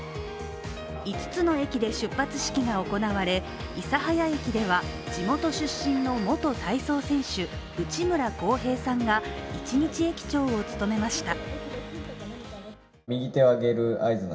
５つの駅で出発式が行われ諫早駅では地元出身の元体操選手、内村航平さんが一日駅長を務めました。